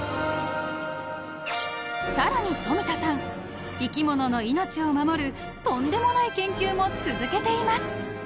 ［さらに冨田さん生き物の命を守るとんでもない研究も続けています］